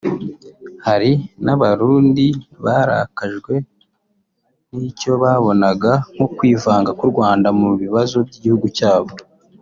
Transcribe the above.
Hari n’abarundi barakajwe n’icyo babonaga nko kwivanga k’u Rwanda mu bibazo by’igihugu cyabo